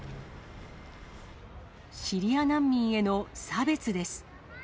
シリア難民への差別です。